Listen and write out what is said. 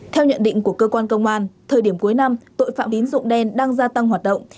theo nhận định của cơ quan công an thời điểm cuối năm tội phạm tín dụng đen đang gia tăng hoạt động